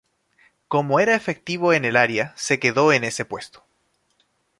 Como era efectivo en el área se quedó en ese puesto.